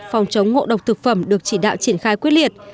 phòng chống ngộ độc thực phẩm được chỉ đạo triển khai quyết liệt